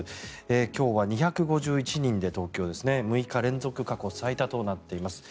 今日は２５１人で６日連続過去最多となっています。